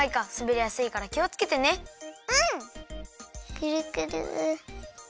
くるくる。